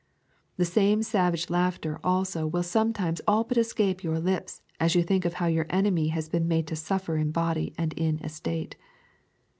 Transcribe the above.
The same savage laughter also will sometimes all but escape your lips as you think of how your enemy has been made to suffer in body and in estate.